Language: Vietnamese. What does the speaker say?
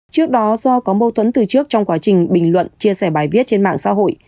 trước đó do có mâu thuẫn từ trước trong quá trình bình luận chia sẻ bài viết trên mạng xã hội